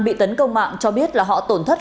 bị tấn công mạng cho biết là họ tổn thất